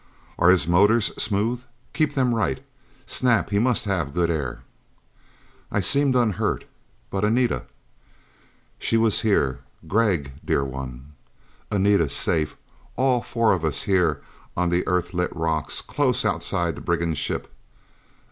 "Are his motors smooth? Keep them right, Snap he must have good air." I seemed unhurt. But Anita.... She was here. "Gregg, dear one!" Anita safe! All four of us here on the Earthlit rocks, close outside the brigand ship.